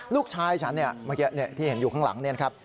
ลูกชายฉันเนี่ยเมื่อกี้ที่เห็นอยู่ข้างหลังเนี่ยนะครับ